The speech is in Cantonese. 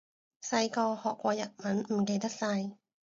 細個學過日文，唔記得晒